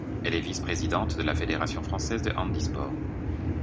Elle est vice-présidente de la Fédération Française handisport.